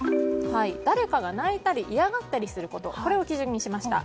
誰かが泣いたり嫌がったりすることを基準としました。